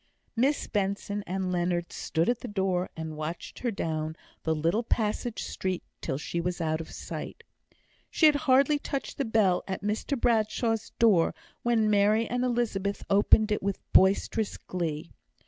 Miss Benson and Leonard stood at the door, and watched her down the little passage street till she was out of sight. She had hardly touched the bell at Mr Bradshaw's door, when Mary and Elizabeth opened it with boisterous glee.